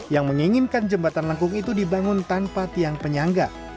yang menginginkan jembatan lengkung itu dibangun tanpa tiang penyangga